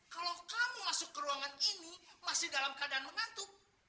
kalau kamu masuk ke ruangan ini masih dalam keadaan mengantuk